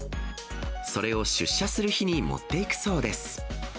それを出社する日に持っていくそうです。